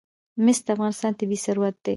مس د افغانستان طبعي ثروت دی.